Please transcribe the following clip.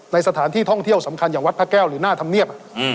สถานที่ท่องเที่ยวสำคัญอย่างวัดพระแก้วหรือหน้าธรรมเนียบ